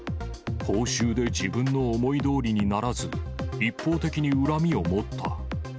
報酬で自分の思いどおりにならず、一方的に恨みを持った。